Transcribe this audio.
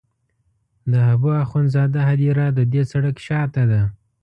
د حبو اخند زاده هدیره د دې سړک شاته ده.